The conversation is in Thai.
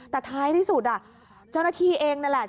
แต่ท้ายที่สุดเจ้าหน้าที่เองนั่นแหละ